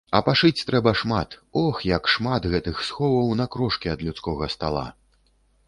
А пашыць трэба шмат, ох, як шмат гэтых сховаў на крошкі ад людскога стала!